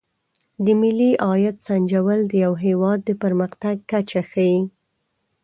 د ملي عاید سنجول د یو هېواد د پرمختګ کچه ښيي.